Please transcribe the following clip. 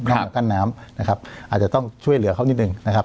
มากั้นน้ำนะครับอาจจะต้องช่วยเหลือเขานิดหนึ่งนะครับ